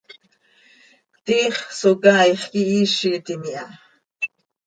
Tiix Socaaix quihiizitim iha.